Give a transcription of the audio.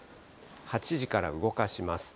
８時から動かします。